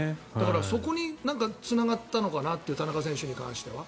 そこにつながったのかなという田中選手に関しては。